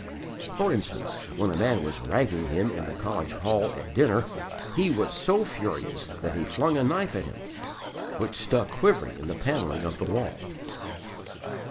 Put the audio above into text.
For instance, when a man was "ragging" him in the College Hall at dinner, he was so furious that he flung a knife at him, which stuck quivering in the panelling of the wall.